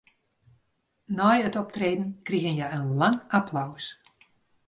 Nei it optreden krigen hja in lang applaus.